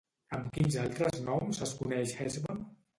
Amb quins altres noms es coneix Hesbon?